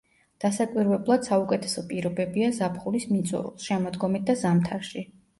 დასაკვირვებლად საუკეთესო პირობებია ზაფხულის მიწურულს, შემოდგომით და ზამთარში.